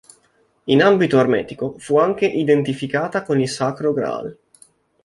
In ambito ermetico fu anche identificata con il sacro Graal.